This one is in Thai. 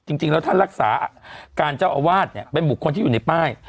จริงแล้วท่านรักษาการเจ้าอาวาสเนี่ยเป็นบุคคลที่อยู่ในป้าย